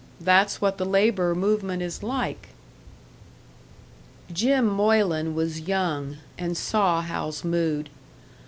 That's what the labour movement is like." Jim Moylan was young, and saw Hal's mood.